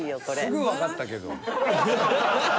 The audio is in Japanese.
すぐわかったけど。